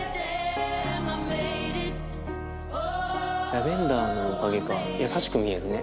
ラベンダーのおかげか優しく見えるね。